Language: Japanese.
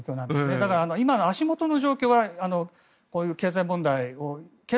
だから、今の足元の状況はこういう経済問題を。